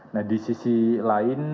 nah di sisi lain